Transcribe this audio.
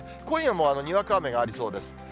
今夜もにわか雨がありそうです。